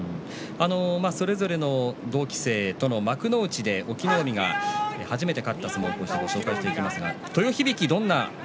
それぞれの同期生との幕内で隠岐の海が初めて勝った相撲をご紹介していきます。